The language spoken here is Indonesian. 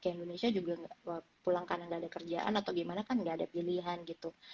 kayak indonesia juga pulang karena nggak ada kerjaan atau gimana kan nggak ada pilihan gitu